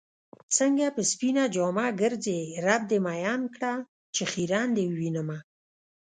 څنګه په سپينه جامه ګرځې رب دې مئين کړه چې خيرن دې ووينمه